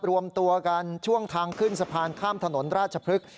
รวมตัวกันช่วงทางขึ้นสะพานข้ามถนนราชพฤกษ